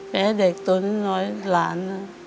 แม่เด็กตัวนิดน้อยหลาน